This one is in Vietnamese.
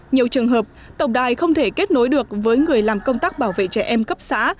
nhiều trường hợp tổng đài không thể kết nối được với người làm công tác bảo vệ trẻ em cấp xã